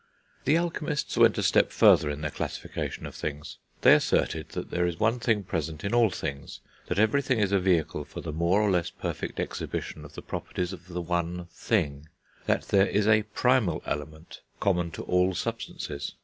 The alchemists went a step further in their classification of things. They asserted that there is One Thing present in all things; that everything is a vehicle for the more or less perfect exhibition of the properties of the One Thing; that there is a Primal Element common to all substances.